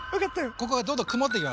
ここがどんどん曇ってきます。